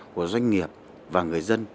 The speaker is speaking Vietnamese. của doanh nghiệp và người dân